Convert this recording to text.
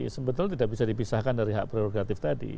sebetulnya tidak bisa dipisahkan dari hak prerogatif tadi